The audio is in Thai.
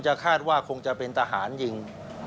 คาดว่าคงจะเป็นทหารยิง